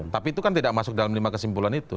tapi itu kan tidak masuk dalam lima kesimpulan itu